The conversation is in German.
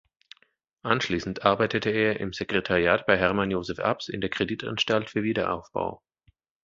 Anschließend arbeitete er im Sekretariat bei Hermann Josef Abs in der Kreditanstalt für Wiederaufbau.